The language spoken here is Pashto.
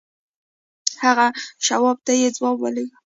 هغه شواب ته يې ځواب ولېږه.